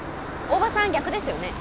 大庭さん逆ですよね